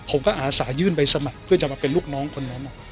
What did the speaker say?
ผมก็อาสายื่นใบสมัครเพื่อจะมาเป็นลูกน้องคนนั้น